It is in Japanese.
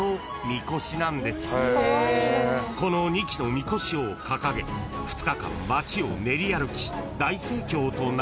［この２基のみこしを掲げ２日間町を練り歩き大盛況となるんですが］